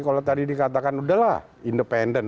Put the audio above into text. kalau tadi dikatakan udahlah independen